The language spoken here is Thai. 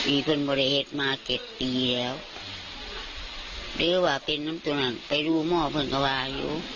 อีกเป็นบริเหตุมา๗ปีแล้วหรือว่าเป็นน้ำตัวนั้นไปรู้หม่อเพิ่งกว่าอยู่